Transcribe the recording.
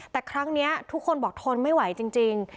แต่ครั้งนี้ทุกคนบอกทนไม่ไหวจริง